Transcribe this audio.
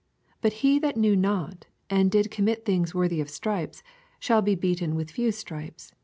48 But he that knew notj and did commit things worthy of stripes, shall be beaten with few stripes.